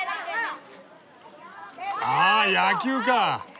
あ野球か！